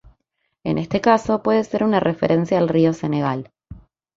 En este caso, puede ser una referencia al río Senegal.